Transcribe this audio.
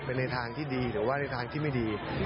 ในทางที่ดีหรือว่าในทางที่ไม่ดี